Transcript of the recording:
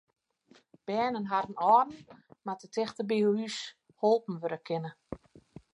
Bern en harren âlden moatte tichteby hús holpen wurde kinne.